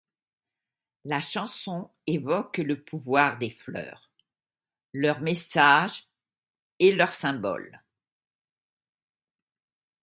La chanson évoque le pouvoir des fleurs, leurs messages et leurs symboles.